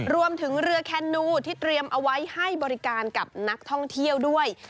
รวมถึงเรือแคนนูที่เตรียมเอาไว้ให้บริการกับนักท่องเที่ยวด้วย